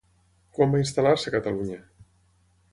Quan va instal·lar-se a Catalunya?